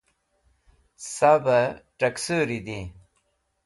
Savey Taksuri Di